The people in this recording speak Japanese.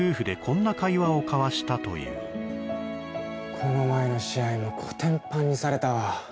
この前の試合もこてんぱんにされたわ。